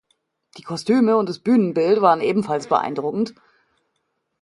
Die Kostüme und das Bühnenbild waren ebenfalls beeindruckend.